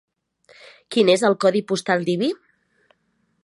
Quin és el codi postal d'Ibi?